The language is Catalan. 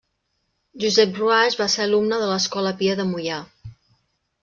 Josep Ruaix va ser alumne de l'Escola Pia de Moià.